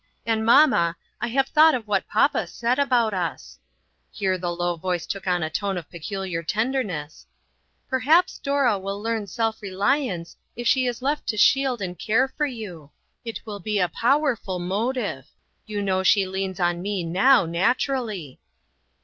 And, mamma, I have thought of what papa said about us," here the low voice took on a tone of pecu liar tenderness, "perhaps Dora will learn self reliance if she is left to shield and care for AN OPEN DOOR. 6l you ; it will be a powerful motive. You know she leans on me now, naturally."